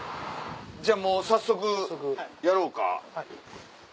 じゃあもう早速やろうか。